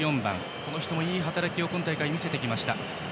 この人もいい働きを見せてきました。